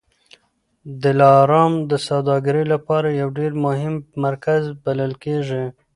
دلارام د سوداګرۍ لپاره یو ډېر مهم مرکز بلل کېږي.